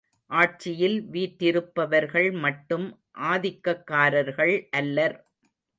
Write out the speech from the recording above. ஆட்சியில் வீற்றிருப்பவர்கள் மட்டும் ஆதிக்கக்காரர்கள் அல்லர்.